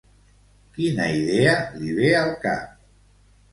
Quina idea li ve al cap?